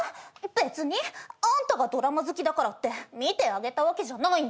「別にあんたがドラマ好きだからって見てあげたわけじゃないんだからね！」